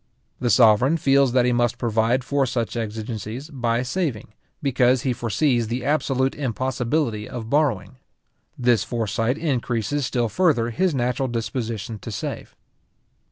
The sovereign feels that he must provide for such exigencies by saving, because he foresees the absolute impossibility of borrowing. This foresight increases still further his natural disposition to save.